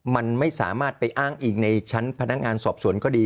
มันไม่สามารถไปอ้างอิงในชั้นพนักงานสอบสวนก็ดี